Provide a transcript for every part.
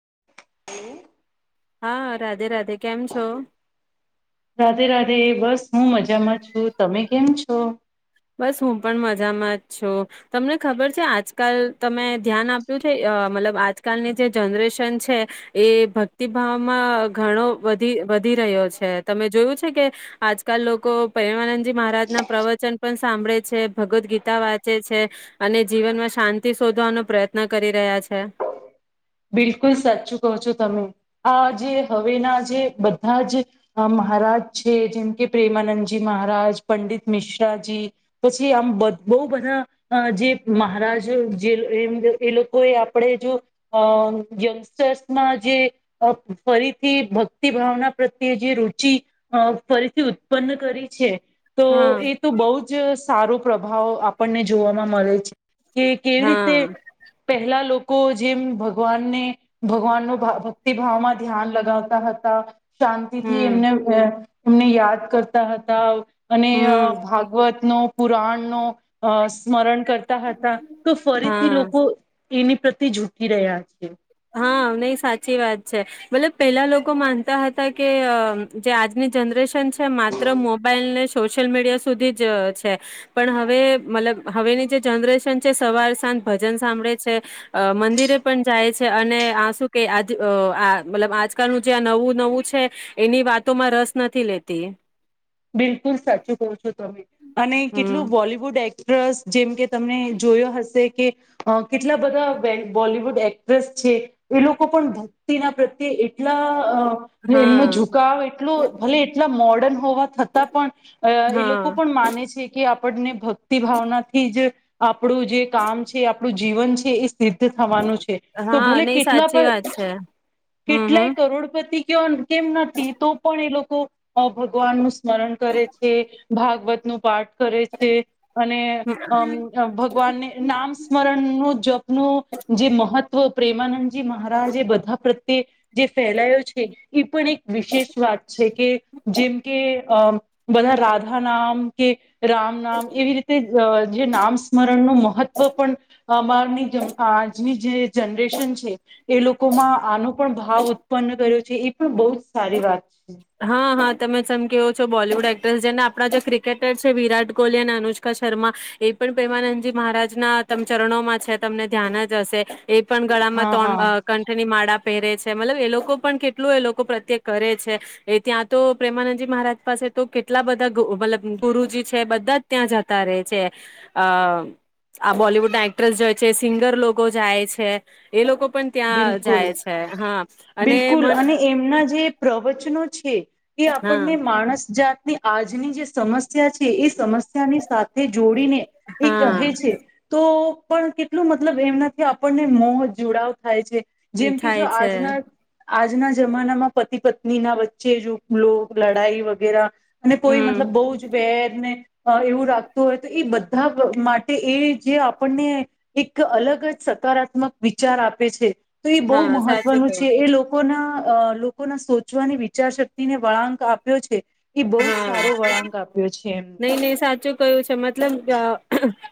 [inaudible] હા રાધે રાધે કેમ છો? રાધે રાધે બસ હું મજામાં છું, તમે કેમ છો? બસ હું પણ મજામાં જ છું તમને ખબર છે આજકાલ તમે ધ્યાન આપ્યું છે અ મતલબ આજકાલની જે જનરેશન છે એ ભક્તિભાવ માં ઘણો વધી વધી રહ્યો છે, તમે જોયું કે આજકાલ લોકો પરિવારા ની મહારાજના પ્રવચન સાંભળે છે, ભગવદ ગીતા વાંચે છે. અને જીવનમાં શાંતિ શોધવાનો પ્રયત્ન કરી રહ્યા છે. બિલકુલ સાચું કહો છો તમે, આ જે હવેના જે બધા જ મહારાજ છે જેમ કે પ્રેમાનંદજી મહારાજ, પંડિત મિશ્રાજી પછી આમ બદ બહુ બધા જે અ મહારાજ જે એમ એ લોકો એ આપણે જો અ યંગસ્ટર્સમાં જે ફરીથી ભક્તિ ભાવના પ્રત્યે જે રુચિ અ ફરીથી ઉત્પન્ન કરી છે. તો હા એ તો બઉુ જ સારો પ્રભાવ આપણને જોવામાં મળે છે. કે કેવી રીતે હા પહેલા લોકો કો જેમ ભગવાનને ભગવાન નુ ભક્તિભાવમાં ધ્યાન લગાવતા હતા શાંતિ થી હમ એમને [unintelligible] અમને યાદ કરતા હતા. અને હમ ભાગવત નો પુરાણ નો અ સ્મરણ કરતા હતા તો ફરીથી હા લોકો એની પ્રતિ જૂ ફીરયા છે. હા નહી સાચી વાત છે મતલબ પેલા લોકો માનતા હતા કે અ જે આજની જનરેશન છે માત્ર મોબાઈલ ને સોશિયલ મીડિયા સુધી જ છે પણ હવે મતલબ હવેની જે જનરેશન છે સવાર સાંજ ભજન સાંભળે છે અ મંદિરે પણ જાય છ. અને આ શું કે આજ આ મતલબ આજકાલનું જે આ નવું નવું છે એની વાતોમાં રસ નથી લેતી. બિલકુલ સાચું કહો છો તમે અને કેટલું હમ બોલિવુડ એક ટ્રસ્ટ જેમ કે તમને જોયો હશે કે અ કેટલા બધા બેક બોલિવુડ એક્ટ્રેસ છે એ લોકો પણ ભક્તિના પ્રત્યે લા અ એમનો હા [unintelligible] એટલો ભલે એટલા મોડ [unintelligible] હોવા થતાં પણ એ હા લોકો પણ માને છે કે આપ આપણને ભક્તિ ભાવનાથી જ આપ આપડું જે કામ છે આપણું જીવન છે એ સિદ્ધ થવાનું છે તો હા ભલે નહી કેટલા સાચી વાત પણ છે હમ કેટલાય કરોડપતિ ક્યોન કેમ નથી તો પણ એ લોકો કો ભગવાનનું સ્મરણ કરે છે ભાગવત નું પાઠ કરે છે અને હમ અમ ભગવાનને નામ સ્મરણ નું જપનું જે મહત્ પ્રેમાનંદ જી મહારાજ એ બધા પ્રત્યે જે ફેલાયો છે એ પણ એક વિશેષ વાત છે કે જેમ કે અમ બધા રાધા નામ કે રામ નામ એવી રીતે જે નામ સ્મરણનું મહત્વ પણ અમારની આજની જે જનરેશન છે એ લોકોમાં આનો પણ ભાવ ઉત્પન્ન કર્યો છે. એ પણ બઉ સારી વાત છે. હા હા તમે સમ કેવો છો બોલીવુડ એક્ટ્રેસ જેને આપણા જે ક્રિકેટર છે વિરાટ કોહલી અને અનુષ્કા શર્મા એ પણ પ્રેમાનંદજી મહારાજના ચરણોમાં છે તમને ધ્યાન જ હશે એ પણ ગળામાં હા ત્રણ હા બ કંઠની માળા પહેરે છે મતલબ એ લોકો પણ કેટલું એ લોકો પ્રત્યક્ષ કરે છે એ ત્યાં તો પ્રેમાનંદજી મહારાજ પાસે તો કેટલા બધા મતલબ ગુરુજી છે બધા જ ત્યાં જતા રહે છે અ આ બોલીવુડ એક્ટ્રેસ જાય છે સિંગર લોકો જાય છે એ લોકો પણ ત્યાં બિલકુલ જાય છે હા અને બિલકુલ મને અને એમના જે પ્રવચનો છે એ હા આપણને માણસ જાત ની આજની જે સમસ્યા સમ્યા છે એ સમસ્યાની સાથે જોડીને એ હા કહે છે તો પણ કેટલું મતલબ એમનાથી આપણને મોહ જોડાવ થાય છે. જેમ કે થાય જો છે આજના આજના જમાનામાં પતિ પત્ની ના વચ્ચે જો લો લડાઈ વગેરે અને કોઈ હમ મતલબ બહુ જ વેર ને એવું રાખતું હોય તો એ બધા માટે એ જે આપણને એક અલગ જ સકારાત્મક વિચાર આપે છે. તો એ બહુ હા સાચું મહત્વનું કયું એ લોકોના લોકોના સોચવાની વિચાર શક્તિને વળાંક આપ્યો છે એ બહુ જ હા સારો વળાંક આપ્યો છે એમને નહી નહી સાચું કયું છે મતલબ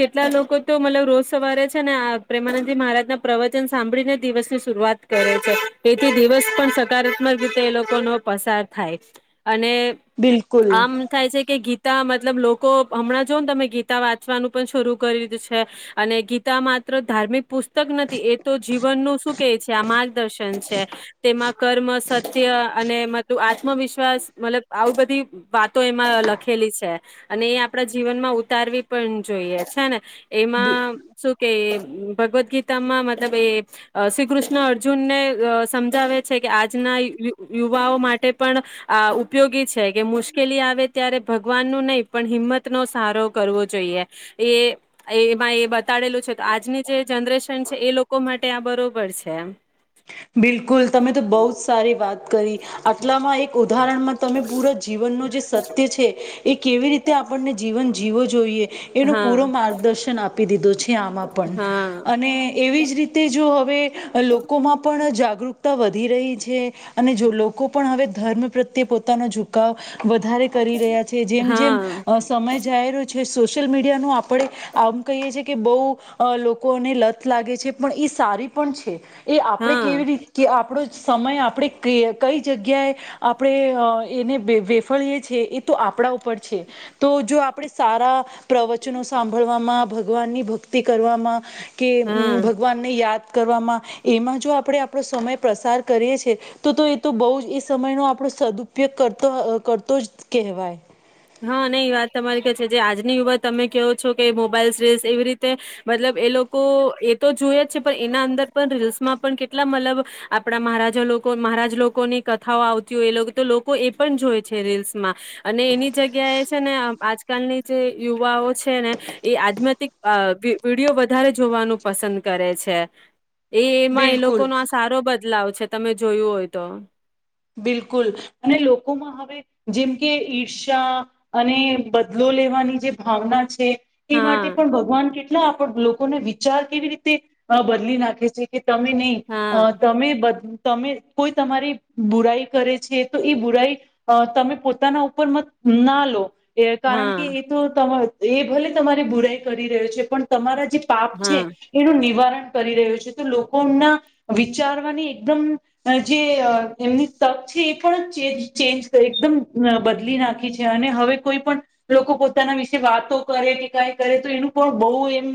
કેટલા લોકો તો મતલબ રોજ સવારે છે ને પ્રેમાનંદજી મહારાજ ના પ્રવચન સાંભળીને દિવસ ની શરૂઆત કરે છે એથી દિવસ પણ સકારાત્મક રીતે એ લોકો નો પસાર થાય અને બિલકુલ આમ થાય છે કે ગીત તા મતલબ લોકો હમણાં જો ને તમે ગીતા વાંચવાનું પણ શરૂ કરી છે અને ગીતા માત્ર ધાર્મિક પુસ્તક નથી એ તો જીવન નુ શું કે છે આ માર્ગદર્શન છે તેમાં કર્મ સત્ય અને મલ આત્મવિશ્વાસ મતલબ આવ બધી વાતો એમાં લખ ખેલી છે અને એ આપડા જીવન માં ઉતારવી પણ જોઈએ છે ને એમાં શું કે ભગવદ્ ગીતામાં મતલબ એ શ્રી કૃષ્ણ અર્જુનને સમજાવે છે કે આજના યુવાઓ માટે પણ આ ઉપયોગી છે કે મુશ્કેલી આવે ત્યારે ભગવાન નું નહી પણ હિંમત નો સારો કરવો જોઈએ એ એમાં એ બતાડેલું છે તો આજની જે જનરેશન છે એ લોકો માટે આ બરોબર છે. બિલકુલ તમે તો બહુ જ સારી વાત કરી આટલામાં એક ઉદાહરણમાં તમે પૂરા જીવન નો જે સત્ય છે. એ કેવી રીતે આપણને જીવન જીવો જોઈએ. એનો પૂરો હા માર્ગદર્શન આપી દીધો છે આમાં પણ હા અને એવી જ રીતે જો હવે લોકોમાં જાગૃતતા વધી રહી છે અને જો લોકો પણ હવે ધર્મ પ્રત્યે પોતાનો ઝુકાવ વધારે કરી રહ્યા છે જેમ જેમ હા અ સમય જાય રહો છે સશિલ મીડિયાનો આપ પડે આમ કહીએ છી કે બહું લોકોને લત લાગે છે પણ એ સારી પણ છે એ આપણે હા કેવી રીતે કે આપડો સમય આપણે કે કઈ જગ્યાએ આપણે અ એને વેફળીએ છીએ એ તો આપણા ઉપર પડ છે તો જો આપ આપણે સારા, પ્રવચનો સાંભળવામાં ભગવાનની ભક્તિ કરવામાં કે હા અમ ભગવાનને યાદ કરવામાં એમાં જો આપણે આપણો સમય પ્રસાર કરીએ છીએ તો તો એ તો બહુ જ એ સમય ન આપણો સદઉપયોગ કરતો કરતો જ કહેવાય. હા ન એ વાત તમારી કે છે જે આજની યુવાત તમે કહો છો કે મોબાઈલ્સ રીલ્સ એવી રીતે મતલબ એ લોકો એ તો જોઈએ જ છે પણ એના અંદર પણ રીલ્સમાં પણ કેટલા મતલબ આપણા મહારાજા લોકો મહારાજ લોકોની કથાઓ આવતી હોય એ તો લોકો એ પણ જોય છે રીલ્સમાં. અને એની છે ને આજકાલની જે યુવાઓ છે ને એ આજમાંથી અ વિડીયો વધારે જોવાનું પસંદ કરે છે. એ એમાં એ લોકો બિલકુલ નો આ સારો બદલાવ છે તમે જોયું હોય તો. બિલકુલ અને લોકોમાં હવે જેમ કે ઈર્ષા અને બદલો લેવાની જે ભાવના છે એ હા માટે પણ ભગવાન કેટલા ના આપ લોકોને વિચાર કેવી રીતે અ બદલી નાખે છે કે તમે નહી હા અ તમે બધ તમે કોઈ તમારી બુરાઈ કરે છે તો એ બુરાઈ અ તમે પોતાના ઉપર મ ના લો. એ કારણ કે હા એ તો ત એ ભલે તમારી બુરાઈ કરી રહ્યો છે પણ તમારા જે પાપ છે હા એનું નિવારણ કરી રહ્યો છે તો લોકોના વિચારવાની એકદમ જે એમની તક છે એ પણ ચેન્જ એકદમ બદલી નાખી છે અને હવે કોઈ પણ, લોકો પોતાના વિશે વાતો કરે કે કઈ કરે તો એનું પણ બહુ એમ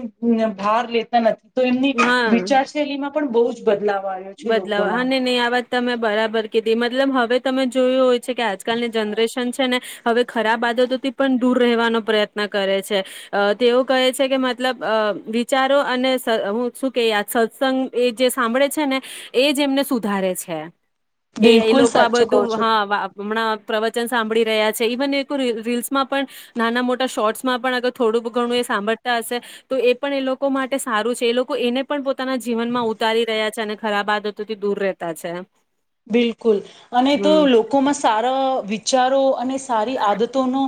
ભાર લેતા નથી. તો એમની હા વિચાર શૈલીમાં પણ બહુ જ બદલાવ આવ્યો છે બદલાવ લોકોના હા ને નહી આ વાત તમે બરાબર કેધી મતલબ હવે તમે જોયું હોય છે કે આજકાલની જનરેશન છે ને, હવે ખરાબ આદતોથી પણ દૂર રહેવાનો પ્રયત્ન કરે છે. અહ તેઓ કહે છે કે મતલબ અહ વિચારો અને શ હું શું કે આ સત્સંગ એ જે સાંભળે છે ને એજ એમને સુધારે છે. કે એ બિલકુલ લોકો આ સાચું કહો બધું હા છો વા હમણાં પ્રવચન સાંભળી રહ્યા છે. ઇવન એકું રી-રીલ્સમાં પણ નાના મોટા શોર્ટસમાં પણ અગર થોડું બ ઘણું એ સાંભળતા હશે તો એ પણ એ લોકો માટે સારું છે. એ લોકો એને પણ પોતાના જીવનમાં ઉતારી રહ્યા છે અને ખરાબ આદતોથી દૂર રહેતા છે. બિલકુલ અને તો હમ લોકોમાં સારા વિચારો અને સ સારી આદતો નો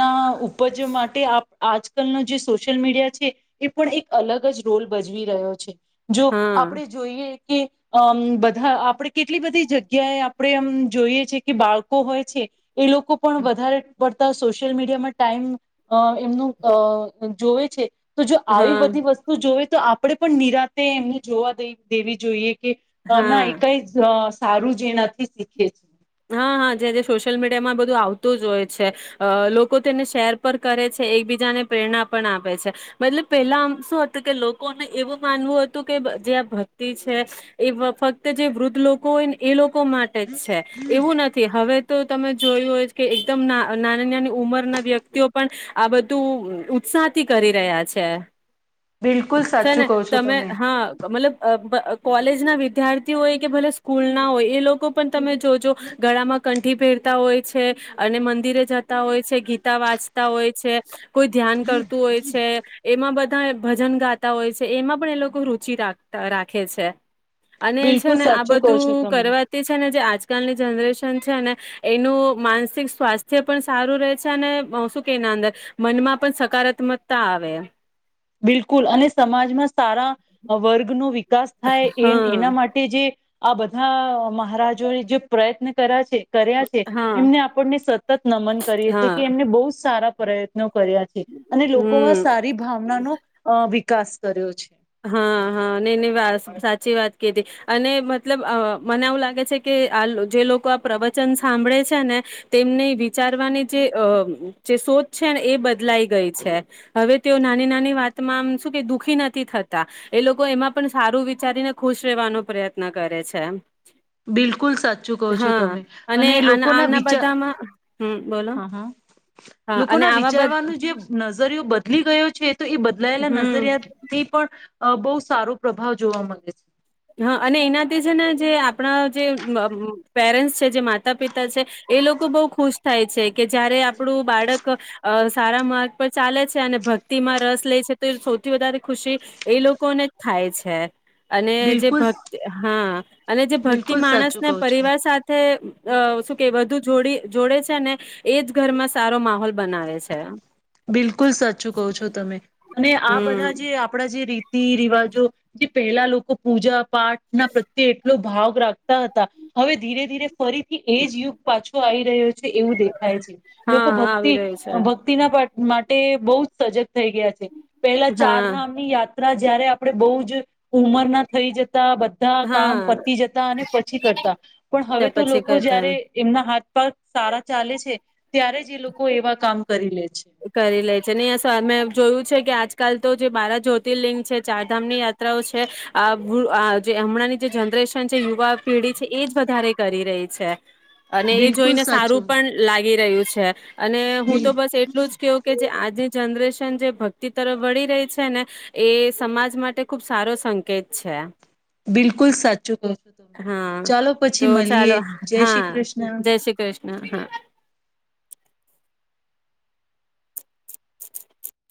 ના ઉપજે માટે આપ આજકાલનો જે સોશિયલ મીડિયા છે, એ પણ એક અલગ જ રોલ ભજવી રહ્યો છે. જો હા આપણે જોઈએ કે અમ્મ બધા આપડે કેટલી બધી જગ્યાએ આપણે અમ્મ જોઈએ છે કે બાળકો હોય છે એ લોકો પણ વધારે પડતા સોશિયલ મીડિયામાં ટાઈમ અહ એમનું અહ જોવે છે. તો જો આવી હા બધી વસ્તુ જોવે તો આપણેે પણ નિરાતે એમને જોવા દેવ-દેવી જોઈએ કે અહ હા. ના કઈજ અહ સારું જ એનાથી શીખે છે હા-હા જે-જે સોશિયલ મીડિયામાં બધું આવતું જ હોય છે. અહ લોકો તેને શેર પણ કરે છે. એકબીજાને પ્રેરણા પણ આપે છે. મતલબ પહેલા આમ શું હતું કે લોકોને એવું માનવું હતું કે જે આ ભક્તિ છે એ ફક્ત જે વૃદ્ધ લોકો હોય ને એ લોક કો માટે જ છે. એવું નથી હવે તો તમે જોયું હોયજ કે એકદમ ના-નાની-નાની ઉંમરના વ્યક્તિઓ પણ આ બધું ઉત્સાહથી કરી રહ્યા છે. બિલકુલ છે સાચું ને કહો છો તમે હા મતલબ અબ બઅ કોલેજ ના વિદ્યાર્થી હોય કે ભલે સ્કૂલ ના હોય એ લોકો પણ તમે જો-જો ગળામાં કંઠી પહેરતા હોય છે. અને મંદિરે જતા હોય છે, ગીતા વાંચતા હોય છે. કોઈ ધ્યાન કરતું હોય છે. એમાં બધ ધાએ ભજન ગાતા હોય છે. એમાં પણ એ લોકો રુચિ રાખતા રાખે છે. અને છે બિલકુલ ને આ સાચું કહો છો બધું તમે કરવાતી છે ને જે આજ કલ ની જનરેશન છે ને એનું માનસિક સ્વાસ્થ્ય પણ સારું રહે છે અહ અને શું કે એના અંદર મનમાં પણ સકારાત્મકતા આવે. બિલકુલ, અને સમાજમાં સારા અ વર્ગનું વિ કાસ થાય એન હા એના માટે જે આ બધા મહારાજોએ જે પ્રયત્ન કર્યા છે કર્યા છે હા એમને આપણને સતત નમન કરીએ છે હા કે એમને બહુ સારા પ્રયત નો કર્યા છે અને લોકોમાં હમ સારી ભાવ નાનો અ વિકાસ કર્યો છે. હ હ નેની વાસ સાચી વાત કીઘી, અને મતલબ અ મને આવું લાગે છે કે આ જે લોકો આ પ્રવચન સાંભળે છે ને તેમને વિચારવાની જે જે સોચ છે ને એ બદલાઈ ગઈ છે, હવે તેઓ નાની નાની વાતમાં આમ શું કે દુઃખી નથી થ તા, એ લોકો એમાં પણ સારું વિચારીને ખુશ રહેવાનો પ્રયત્ન કરે છે. બિલકુલ સાચું કહો છો હા તમે, અને આના લોકોના આના વિચાર બધામાં હમ બોલો હ હ હા અને લોકોના આવા વિચારવાનો બધા જે નજરિયો બદલી ગયો છે તો એ બદલાયેલા હમ નજરિયા થી પણ અ બહુ સારો પ્રભાવ જોવા મળે છે. હ, અને એનાથી છે ને જે આપણા જે અ અમ પેરેન્ટ્સ છે, જે માતા પિતા છે એ લોકો બહુ ખુશ થાય છે કે જયારે આપણું બાળક અ સારા માર્ગ પર ચાલે છે અને ભક્તિમાં રસ લે છે તો એ સૌથી વધારે ખુશી એ લોકોને જ થાય છે. અને જે બિલકુલ ભક્ હા, અને જે ભક્તિ બિલકુલ સાચું માણસને કહું છું. પરિવાર સાથે અ શું કે વધુ જોડી જોડે છે ને એજ ઘરમાં સારો માહોલ બનાવે છે. બિલકુલ સાચું કહો છો તમે. અને આ હમ બધા જે આપડા જે રી રિવાજો જે પહેલા લોકો પૂજા, પાઠ ના પ્રત્યે એટલો ભાગ રાખતા હતા, હવે ધીરે ધીરે ફરીથી એજ યુગ પાછો આઈ રહ્યો છે. એવું દેખાય છે, લોકો હા ભક્તિ આવી રહ્યો છે ભક્તિ ના પા માટે બહુજ સજગ થઈ ગયા છે, પેલા ચાર હા ધામ ની યાત્રા ત્યારે આપડે બઉજ ઉંમર ના થઈ જ [unintelligible] બધા હા કામ પતી જતા અને પછી કરતા, પણ હવે ત્યા તો પછી લોકો કરતા જ્યારે એમના હાથ પણ સારા ચાલે છે ત્યારે જ એ લોકો એવા કામ કરી લે છે. કરી લે છે નહીં સર મેં જોયું છે કે આજકાલ તો જે બારા જ્યોતિર્લિંગ છે, ચારધામની યાત્રાઓ છે આ બૂ જે હમણાંની જે જનરેશન છે, યુવા પેઢી છે એજ વધારે કરી રહી છે. અને એ બિલકુલ જોઈને સારું સાચું પણ લાગ [unintelligible] રહ્યું છે. અને હું તો બિલ બસ એટ કેઓ કે જે આજે જનરેશન જે ભક્તિ તરફ વળી રહી છે ને એ સમાજ માટે ખુબ સારો સંકેત છે. બિલકુલ સાચું કહું. હા ચાલો પછી તો મલીએ, જય શ્રી કૃષ્ણ. હ હ.